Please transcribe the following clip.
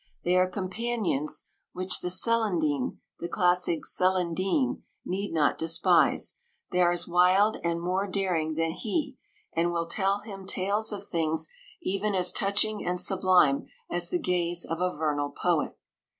They are companions which the Celandine — the classic Celandine, need not despise ; they are as wild and more daring than he, and will tell him tales of things 172 even as touching and sublime as the gaze of a vernal poet.